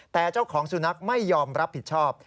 แต่เจ้าของสุนัขไม่ยอมรับผิดชอบ